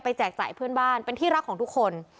แจกจ่ายเพื่อนบ้านเป็นที่รักของทุกคน